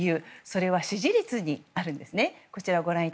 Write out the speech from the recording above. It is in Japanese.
それは支持率にあるんですね。